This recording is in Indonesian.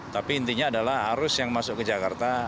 tapi intinya adalah arus yang masuk ke jakarta